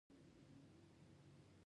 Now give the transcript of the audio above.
ایا نوکان مو سپین دي؟